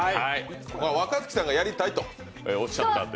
若槻さんがやりたいとおっしゃったんで。